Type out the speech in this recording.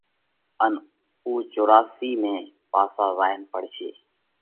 ان اُو چوراسي ۾ پاسا زائينَ پڙشي۔